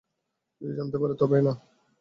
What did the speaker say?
যদি জানতে পারে তবেই না।